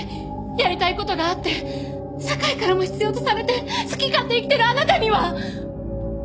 やりたい事があって社会からも必要とされて好き勝手に生きてるあなたには！